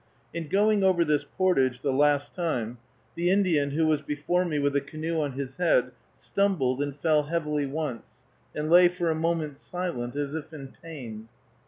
In going over this portage the last time, the Indian, who was before me with the canoe on his head, stumbled and fell heavily once, and lay for a moment silent, as if in pain.